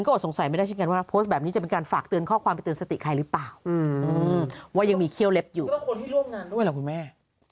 ก็ต้องเป็นคนที่ร่วมงานด้วยหรอคุณแม่